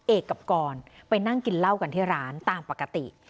เอกกับกรไปนั่งกินเหล้ากันที่ร้านตามปกติ